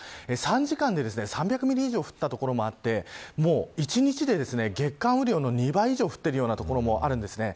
３時間で３００ミリ以上降った所もあって１日で、月間雨量の２倍以上降っているような所もあるんですね。